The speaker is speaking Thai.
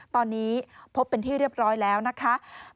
ตอนนี้พบเป็นที่เรียบร้อยแล้วนะคะ